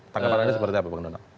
tanggapan anda seperti apa bang donald